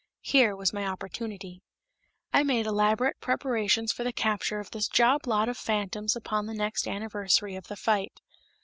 Here was my opportunity. I made elaborate preparations for the capture of this job lot of phantoms upon the next anniversary of the fight.